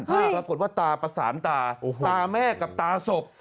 ปรากฏว่าตาประสานตาตาแม่กับตาศพ